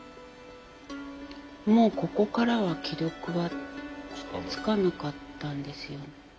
もうここからは既読はつかなかったんですよ。